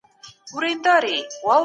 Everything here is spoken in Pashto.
ايا سياستوال د ټولنې په درد خبر دي؟